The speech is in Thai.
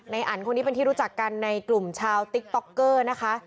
อันคนนี้เป็นที่รู้จักกันในกลุ่มชาวติ๊กต๊อกเกอร์นะคะ